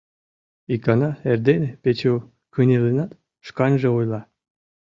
Икана эрдене Печу кынелынат, шканже ойла: